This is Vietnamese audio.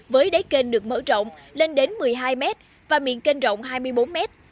với đáy kênh được mở rộng lên đến một mươi hai mét và miền kênh rộng hai mươi bốn mét